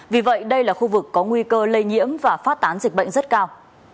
vì vậy đây là khu vực có nguy cơ lây nhiễm và phát tán dịch bệnh rất cao